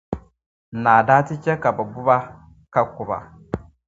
naa daa ti chɛ ka bɛ bu ba, ka ku ba.